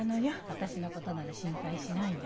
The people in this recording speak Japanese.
私のことなら心配しないで。